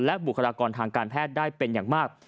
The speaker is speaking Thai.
และบุคลากรทางการแพทย์ได้เป็นอย่างมาก